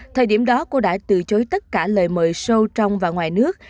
thời điểm đó cô đã từ chối tất cả lời mời sâu trong và ngoài nước